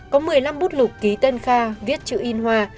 có một mươi năm bút lục ký tân kha viết chữ in hoa